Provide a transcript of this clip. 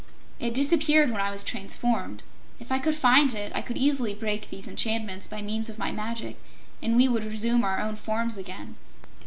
It disappeared when I was transformed. If I could find it I could easily break these enchantments by means of my magic, and we would resume our own forms again.